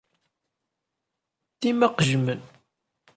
Dima qejjmen.